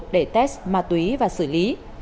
để test ma túy và xử lý